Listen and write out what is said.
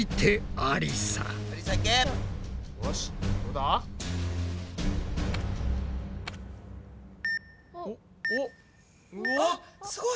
あすごい！